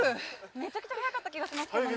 めちゃくちゃ速かった気がしますよね。